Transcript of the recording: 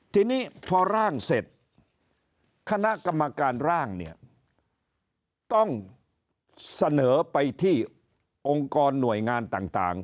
ทีนี้พอร่างเสร็จคณะกรรมการร่างเนี่ยต้องเสนอไปที่องค์กรหน่วยงานต่าง